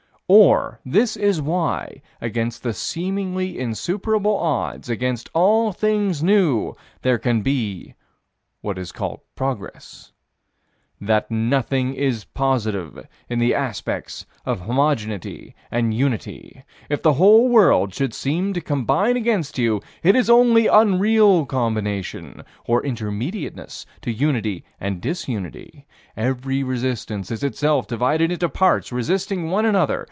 Or this is why, against the seemingly insuperable odds against all things new, there can be what is called progress That nothing is positive, in the aspects of homogeneity and unity: If the whole world should seem to combine against you, it is only unreal combination, or intermediateness to unity and disunity. Every resistance is itself divided into parts resisting one another.